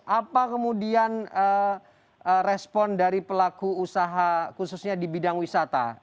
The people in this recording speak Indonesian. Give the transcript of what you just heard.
apa kemudian respon dari pelaku usaha khususnya di bidang wisata